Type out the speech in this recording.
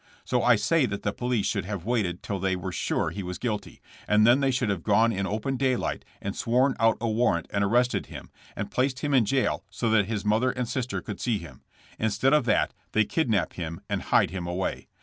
So I say that the police should have waited till they were sure he was guilty, and then they should have gone in open daylight and sworn out a warrant and arrested him, and placed him in jail so that his mother and sister could see him. Instead of that they kidnap him and hide him away.